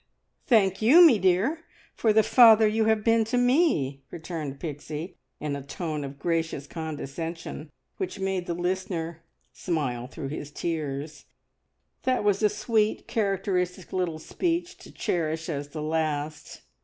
"Thank you, me dear, for the father you have been to me!" returned Pixie, in a tone of gracious condescension which made the listener smile through his tears. That was a sweet characteristic little speech to cherish as the last!